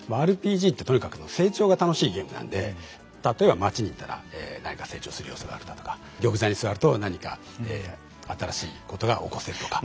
ＲＰＧってとにかく成長が楽しいゲームなんで例えば町に行ったら何か成長する要素があるだとか玉座に座ると何か新しいことが起こせるとか。